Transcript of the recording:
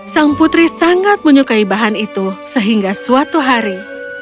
sang putri sangat menyukai bahan itu sehingga suatu hari